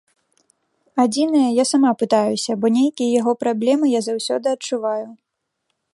Адзінае, я сама пытаюся, бо нейкія яго праблемы я заўсёды адчуваю.